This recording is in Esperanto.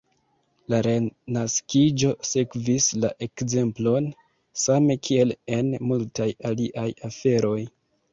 La Renaskiĝo sekvis la ekzemplon, same kiel en multaj aliaj aferoj.